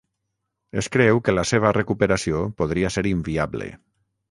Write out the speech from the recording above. Es creu que la seva recuperació podria ser inviable.